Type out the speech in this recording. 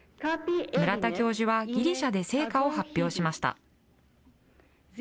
村田教授はギリシャで成果を発表しました。